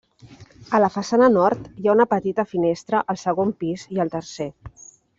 A la façana nord hi ha una petita finestra al segon pis i al tercer.